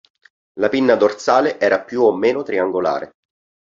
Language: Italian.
La pinna dorsale era più o meno triangolare.